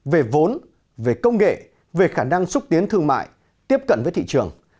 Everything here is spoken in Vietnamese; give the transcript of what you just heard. về vốn về công nghệ về khả năng xúc tiến thương mại tiếp cận với thị trường